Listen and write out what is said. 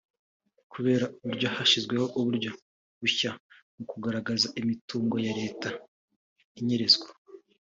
kureba uburyo hashyirwaho uburyo bushya mu kugaruza imitungo ya Leta inyerezwa